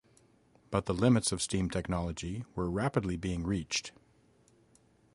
But the limits of steam technology were rapidly being reached.